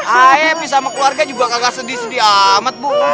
ayo pisah sama keluarga juga gak sedih sedih amat bu